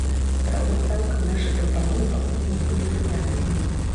Праўда, цалкам нашы прапановы пакуль не былі прынятыя.